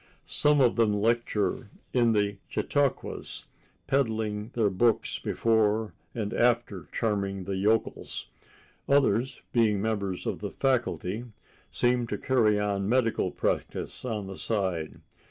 Some of them lecture in the chautauquas, peddling their books before and after charming the yokels. Others, being members of the faculty, seem to carry on medical practice on the side.